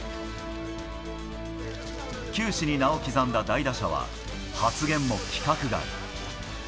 球史に名を刻んだ大打者は、発言も規格外。